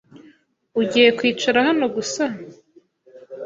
Ugiye kwicara hano gusa?